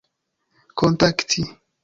kontakti